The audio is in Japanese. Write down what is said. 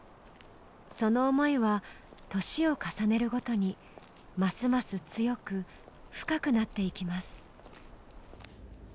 その思いは年を重ねるごとにますます強く深くなっていきます。